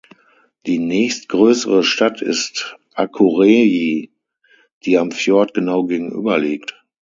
Die nächstgrößere Stadt ist Akureyri, die am Fjord genau gegenüber liegt.